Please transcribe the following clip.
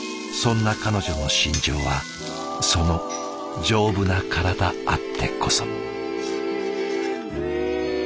そんな彼女の信条はその丈夫な体あってこそ。